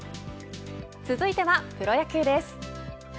続いてはプロ野球です。